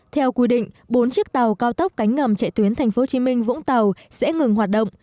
theo quy định bốn chiếc tàu cao tốc cánh ngầm chạy tuyến tp hcm vũng tàu sẽ ngừng hoạt động